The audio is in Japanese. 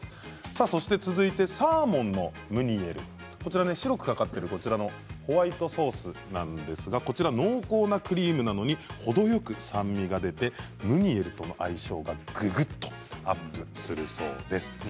そして続いてサーモンのムニエル白くかかっているホワイトソースなんですが濃厚なクリームなのに程よく酸味が出てムニエルとの相性がぐぐっとアップするそうです。